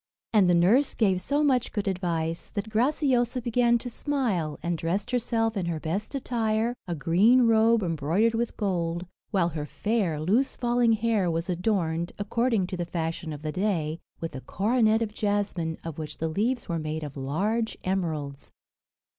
And the nurse gave so much good advice, that Graciosa began to smile, and dressed herself in her best attire, a green robe embroidered with gold; while her fair, loose falling hair was adorned, according to the fashion of the day, with a coronet of jasmine, of which the leaves were made of large emeralds.